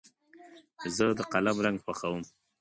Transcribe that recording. زه د قلم رنګ خوښوم.